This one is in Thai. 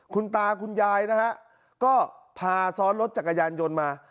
คุณตาคุณยายนะฮะก็พาซ้อนรถจักรยานยนต์มา